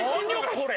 これ。